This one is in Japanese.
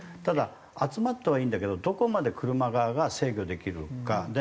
ただ集まったはいいんだけどどこまで車側が制御できるか。